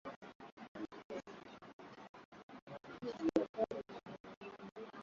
Kucha refu zimekatwa.